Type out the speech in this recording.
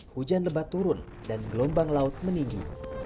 hujan lebat turun dan gelombang laut meninggi